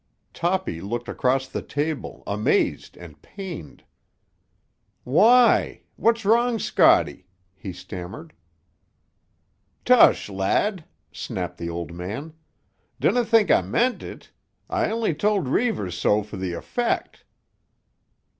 Toppy looked across the table, amazed and pained. "Why—what's wrong, Scotty?" he stammered. "Tush, lad!" snapped the old man. "Dinna think I meant it. I only told Reivers so for the effect."